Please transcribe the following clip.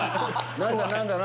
何だ？